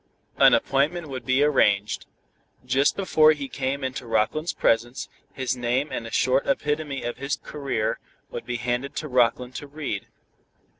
An appointment would be arranged. Just before he came into Rockland's presence, his name and a short epitome of his career would be handed to Rockland to read.